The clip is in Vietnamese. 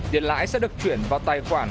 tiền lãi sẽ được chuyển vào tài khoản